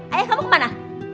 ayah kamu kemana